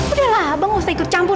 udah lah abang gak usah ikut campur